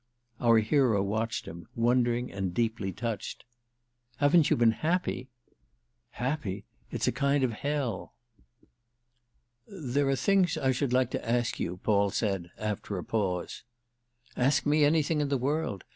Our hero watched him, wondering and deeply touched. "Haven't you been happy!" "Happy? It's a kind of hell." "There are things I should like to ask you," Paul said after a pause. "Ask me anything in all the world.